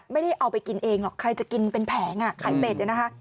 ไม่ได้เอาไปกินเองหรอกใครจะกินเป็นแผงอ่ะไข่เป็ดเนี่ยนะคะ